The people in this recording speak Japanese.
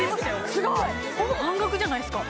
すごいほぼ半額じゃないっすか